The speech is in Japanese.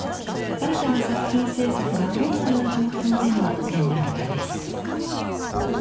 新たな作品制作が困難な状況での展覧会です。